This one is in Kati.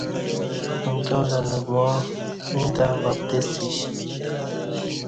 امکیاں تہ نہ گواں ییں تں وَ پتسیش